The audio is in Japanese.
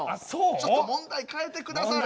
ちょっと問題変えて下され。